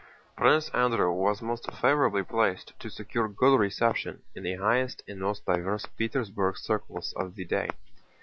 Prince Andrew was most favorably placed to secure good reception in the highest and most diverse Petersburg circles of the day.